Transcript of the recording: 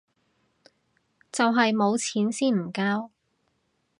就係冇錢先唔交